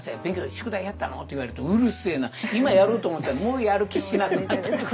宿題やったの？」って言われると「うるせえな今やろうと思ったのにもうやる気しなくなった」とか。